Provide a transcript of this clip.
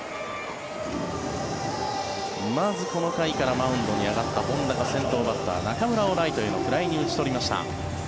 まずこの回からマウンドに上がった本田が先頭バッター、中村をライトのフライに打ち取りました。